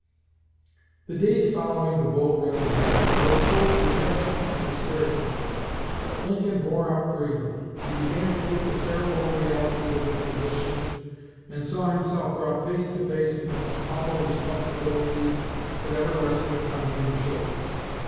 The days following the Bull Run disaster were full of depression and discouragement, but Lincoln bore up bravely. He began to feel the terrible realities of his position, and saw himself brought face to face with the most awful responsibilities that ever rested upon human shoulders.